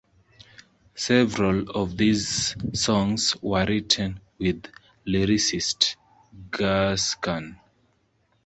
Several of these songs were written with lyricist Gus Kahn.